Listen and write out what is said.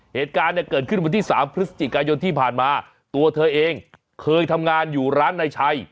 เหตุการณ์เนี่ยเกิดขึ้นวันที่๓พฤศจิกายนที่ผ่านมาตัวเธอเองเคยทำงานอยู่ร้านนายชัย